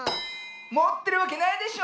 もってるわけないでしょ。